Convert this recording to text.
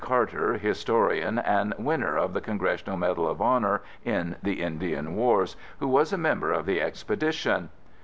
Carter, historian and winner of The Congressional Medal of Honor in the Indian Wars, who was a member of the expedition.